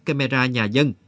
camera nhà dân